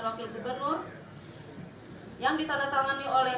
wakil gubernur yang ditandatangani oleh